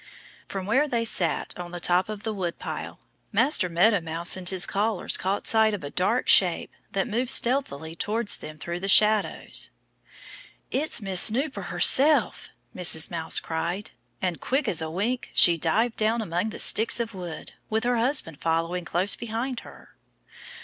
From where they sat, on the top of the woodpile, Master Meadow Mouse and his callers caught sight of a dark shape that moved stealthily towards them through the shadows. "It's Miss Snooper herself!" Mrs. Mouse cried. And quick as a wink she dived down among the sticks of wood, with her husband following close behind her.